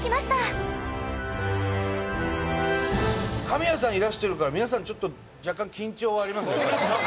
伊達：神谷さん、いらしてるから皆さん、ちょっと若干、緊張はありますよね。